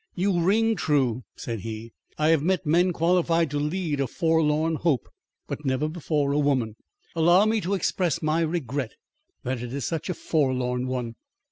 "You ring true," said he. "I have met men qualified to lead a Forlorn Hope; but never before a woman. Allow me to express my regret that it is such a forlorn one."